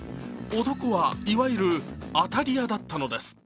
男はいわゆる当たり屋だったのです。